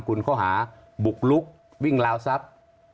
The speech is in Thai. คุณข้อหาบุกลุกวิ่งราวทรัพย์